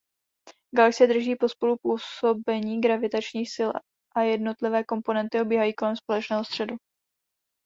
Galaxie drží pospolu působení gravitačních sil a jednotlivé komponenty obíhají kolem společného středu.